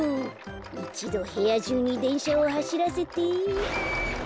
いちどへやじゅうにでんしゃをはしらせて。